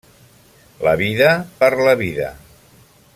La vida per la vida.